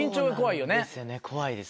怖いです。